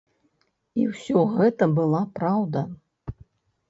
І ўсё гэта была праўда.